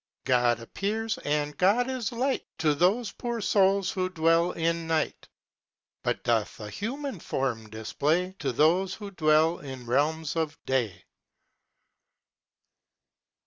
God Appears & God is Light To those poor Souls who dwell in the Night, But does a Human Form Display To those who Dwell in Realms of day.